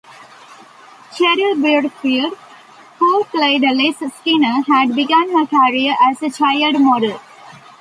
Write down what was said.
Cheryl Burfield, who played Liz Skinner, had begun her career as a child model.